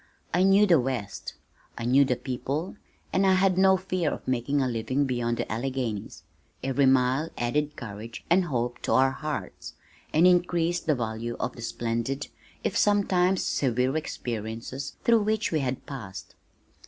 I knew the West. I knew the people, and I had no fear of making a living beyond the Alleghanies. Every mile added courage and hope to our hearts, and increased the value of the splendid, if sometimes severe experiences through which we had passed.